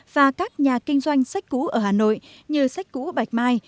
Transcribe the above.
và các nhà kinh doanh sách cũ ở hà nội như sách cũ bạch mai